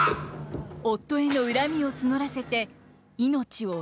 夫への恨みを募らせて命を落とします。